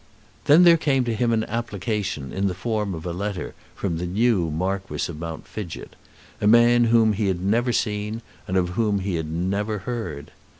Then there came to him an application in the form of a letter from the new Marquis of Mount Fidgett, a man whom he had never seen, and of whom he had never heard.